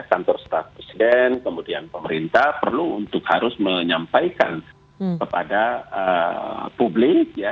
kantor staf presiden kemudian pemerintah perlu untuk harus menyampaikan kepada publik ya